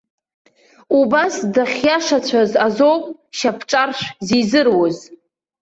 Убас дахьиашацәаз азоуп шьапҿаршә зизыруз.